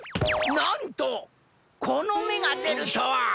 なんとこの目が出るとは。